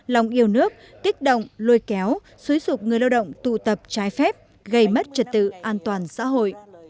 lòng yêu nước kích động lôi kéo xúi dục người lao động tụ tập trái phép gây mất trật tự an toàn xã hội